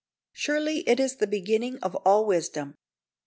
Surely it is the beginning of all wisdom.